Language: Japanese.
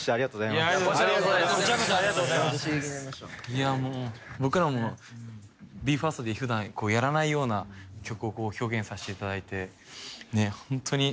いやもう僕らもＢＥ：ＦＩＲＳＴで普段やらないような曲を表現させていただいてねっホントに。